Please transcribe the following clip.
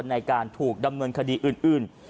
ในการถูกดำเนินคดีอื่น